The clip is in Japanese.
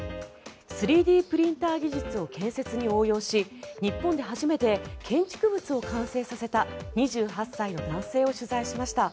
３Ｄプリンター技術を建設に応用し日本で初めて建築物を完成させた２８歳の男性を取材しました。